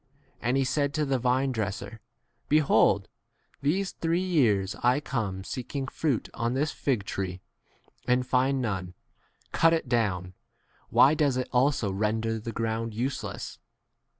7 And he said to the vinedresser, Behold, these three years I come seeking fruit on this fig tree and find none : cut it down, why does it also render the ground useless